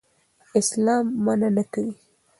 اسلام منع نه کوي.